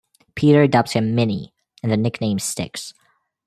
Peter dubs him "Mini" and the nickname sticks.